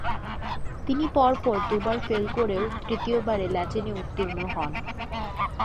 তিনি পরপর দুবার ফেল করলেও তৃতীয় বারে ল্যাটিনে উত্তীর্ণ হন।